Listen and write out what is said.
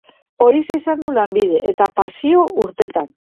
Horixe izan du lanbide, eta pasio urtetan.